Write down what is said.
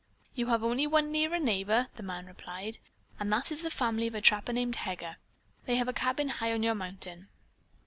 "You have only one nearer neighbor," the man replied, "and that is the family of a trapper named Heger. They have a cabin high on your mountain."